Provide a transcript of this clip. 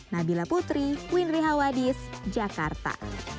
nabila putri windri hawadis jakarta